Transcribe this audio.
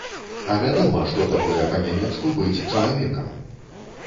А вядома, што такое па-нямецку быць чалавекам!